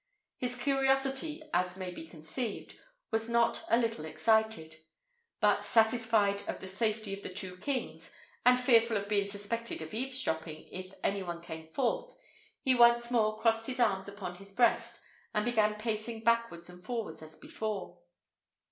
His curiosity, as may be conceived, was not a little excited; but, satisfied of the safety of the two kings, and fearful of being suspected of eaves dropping if any one came forth, he once more crossed his arms upon his breast, and began pacing backwards and forwards as before.